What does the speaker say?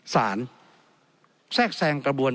แทรกแซงกระบวน